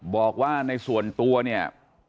บอกว่าในส่วนตัวเนี่ย